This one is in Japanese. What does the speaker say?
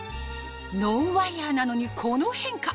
ノンワイヤーなのにこの変化